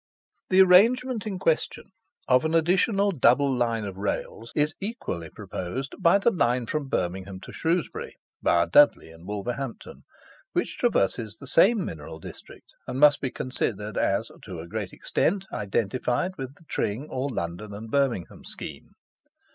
The arrangement in question, of an additional double line of rails, is equally proposed by the line from Birmingham to Shrewsbury, via Dudley and Wolverhampton, which traverses the same mineral district, and must be considered as, to a great extent, identified with the Tring or London and Birmingham scheme.